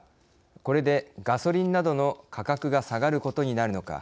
これでガソリンなどの価格が下がることになるのか。